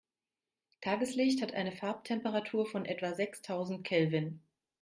Tageslicht hat eine Farbtemperatur von etwa sechstausend Kelvin.